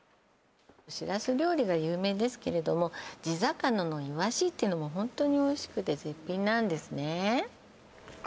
しらす料理が有名ですけれども地魚のイワシっていうのもホントにおいしくて絶品なんですね